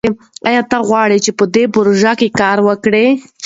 ایا ته غواړې چې په دې پروژه کې کار وکړې؟